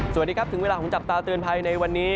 สวัสดีครับถึงเวลาของจับตาเตือนภัยในวันนี้